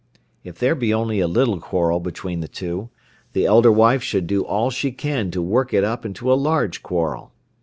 If there be only a little quarrel between the two, the elder wife should do all she can to work it up into a large quarrel.